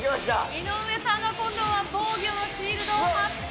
井上さんが今度は防御のシールドを張って。